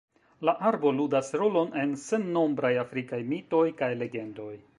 La arbo ludas rolon en sennombraj afrikaj mitoj kaj legendoj.